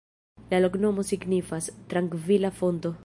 La loknomo signifas: "trankvila fonto".